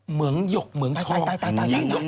เหมืองหยกเหมืองทอง